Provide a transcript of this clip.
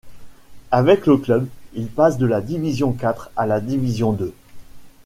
Avec le club, il passe de la division quatre à la division deux.